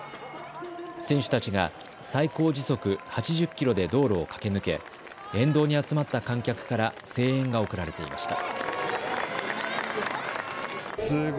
選手たちが最高時速８０キロで道路を駆け抜け、沿道に集まった観客から声援が送られていました。